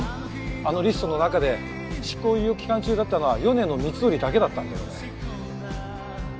あのリストの中で執行猶予期間中だったのは米野光則だけだったんだよね。